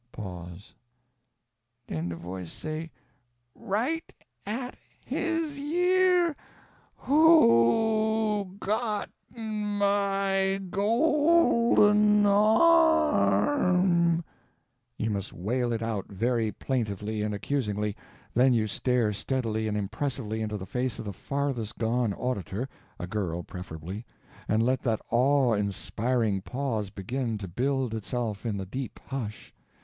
Den de voice say, right at his year "W h o g o t m y g o l d e n arm?" (You must wail it out very plaintively and accusingly; then you stare steadily and impressively into the face of the farthest gone auditor a girl, preferably and let that awe inspiring pause begin to build itself in the deep hush.